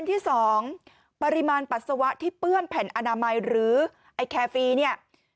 ที่สองปริมาณปัสสาวะที่เปื้อนแผ่นอนามัยหรือไอ้แคฟีเนี่ย